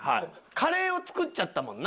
カレーを作っちゃったもんな。